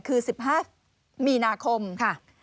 คือ๑๕มีนาคมค่ะ